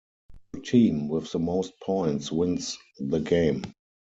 The team with the most points wins the game.